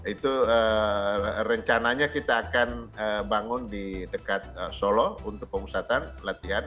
itu rencananya kita akan bangun di dekat solo untuk pemusatan latihan